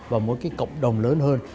và một cái cộng đồng lớn hơn